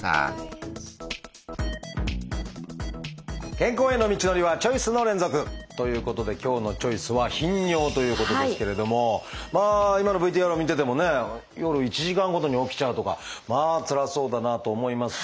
健康への道のりはチョイスの連続！ということで今日の「チョイス」はまあ今のＶＴＲを見ててもね夜１時間ごとに起きちゃうとかまあつらそうだなと思いますし。